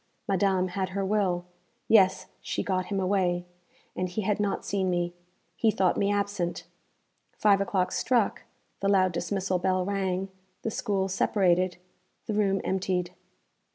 Madame had her will. Yes, she got him away, and he had not seen me. He thought me absent. Five o'clock struck, the loud dismissal bell rang, the school separated, the room emptied.